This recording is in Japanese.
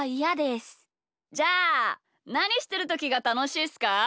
じゃあなにしてるときがたのしいっすか？